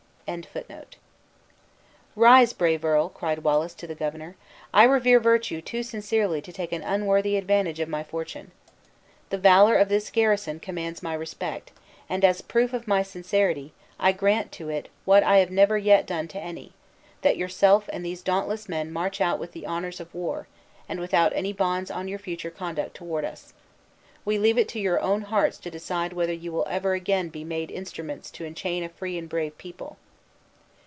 (1809.) "Rise, brave earl," cried Wallace, to the governor; "I revere virtue too sincerely to take an unworthy advantage of my fortune. The valor of this garrison commands my respect; and, as a proof of my sincerity, I grant to it what I have never yet done to any: that yourself and these dauntless men march out with the honors of war, and without any bonds on your future conduct toward us. We leave it to your own hearts to decide whether you will ever be again made instruments to enchain a free and brave people."